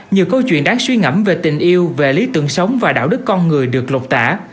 nhiều câu chuyện đáng suy ngẫm về tình yêu về lý tưởng sống và đạo đức con người được lột tả